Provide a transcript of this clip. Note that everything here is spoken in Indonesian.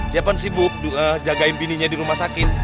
dia pun sibuk jagain bininya di rumah sakit